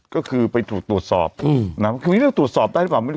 ก็คือไปถูกตรวจสอบอันนี้คือไม่รู้ว่าตรวจสอบได้หรือเปล่า